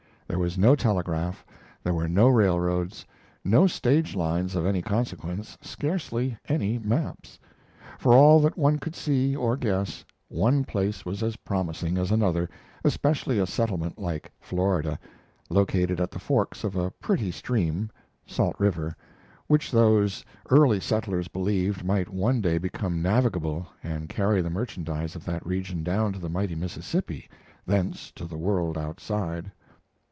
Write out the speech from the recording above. There was no telegraph; there were no railroads, no stage lines of any consequence scarcely any maps. For all that one could see or guess, one place was as promising as another, especially a settlement like Florida, located at the forks of a pretty stream, Salt River, which those early settlers believed might one day become navigable and carry the merchandise of that region down to the mighty Mississippi, thence to the world outside.